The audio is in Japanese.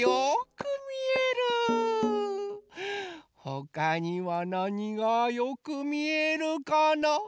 ほかにはなにがよくみえるかな？